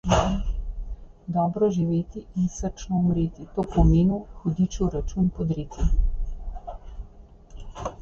Dobro živeti in srečno umreti – to pomeni hudiču račun podreti.